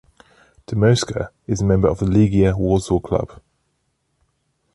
Dmowska is a member of the Legia Warsaw Club.